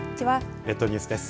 列島ニュースです。